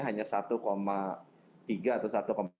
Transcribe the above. hanya satu tiga atau